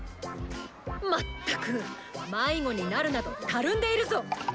全く迷子になるなどたるんでいるぞ！